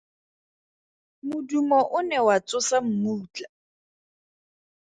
Modumo o ne wa tsosa mmutla.